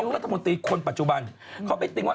เพราะวันนี้หล่อนแต่งกันได้ยังเป็นสวย